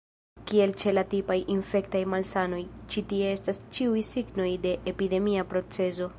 Kiel ĉe la tipaj infektaj malsanoj, ĉi tie estas ĉiuj signoj de epidemia procezo.